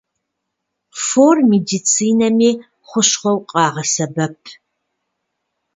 Фор медицинэми хущхъуэу къагъэсэбэп.